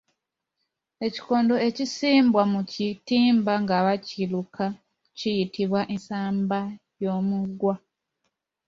Ekikondo ekissibwa mu kitimba nga bakiruka kiyitibwa ensamba y’omugwa.